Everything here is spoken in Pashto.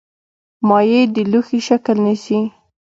مایع د لوښي شکل نیسي.